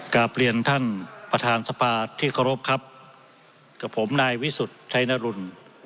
กลับเรียนท่านประธานสภาที่เคารพครับกับผมนายวิสุทธิ์ชัยนรุน